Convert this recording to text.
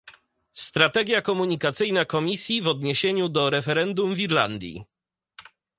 Strategia komunikacyjna Komisji w odniesieniu do referendum w Irlandii